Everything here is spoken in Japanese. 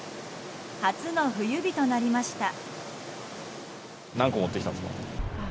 初の冬日となりました。